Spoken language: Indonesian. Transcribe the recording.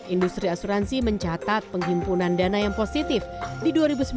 industri asuransi mencatat penghimpunan dana yang positif di dua ribu sembilan belas